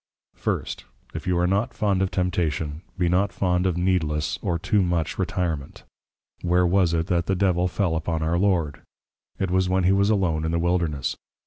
First, If you are not fond of Temptation, be not fond of Needless, or Too much Retirement. Where was it, that the Devil fell upon our Lord? it was when he was Alone in the Wilderness.